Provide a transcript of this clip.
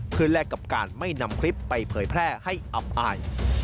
เพื่อแลกกับการไม่นำคลิปไปเผยแพร่ให้อับอาย